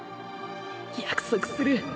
約束する。